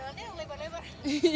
terus jalannya lebar lebar